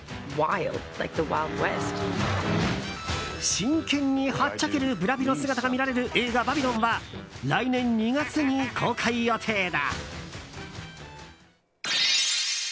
真剣にはっちゃけるブラピの姿が見られる映画「バビロン」は来年２月に公開予定だ。